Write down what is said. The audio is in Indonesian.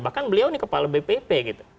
bahkan beliau ini kepala bpp gitu